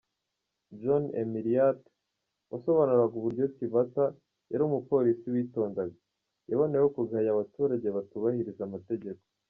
John Emiriat wasobanuraga uburyo Tibata yari umupolisi witondaga, yaboneyeho kugaya abaturage batubahiriza amategeko.